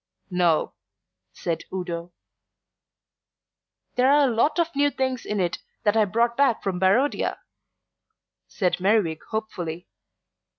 "No," said Udo. "There are a lot of new things in it that I brought back from Barodia," said Merriwig hopefully.